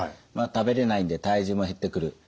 食べれないので体重も減ってくる。